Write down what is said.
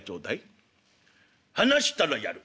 「話したらやる」。